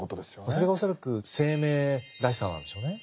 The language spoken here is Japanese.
それが恐らく生命らしさなんでしょうね。